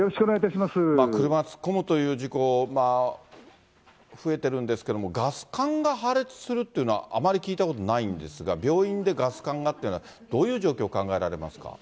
車突っ込むという事故、増えてるんですけれども、ガス管が破裂するっていうのは、あまり聞いたことないんですが、病院でガス管がっていうのは、どういう状況が考えられますか？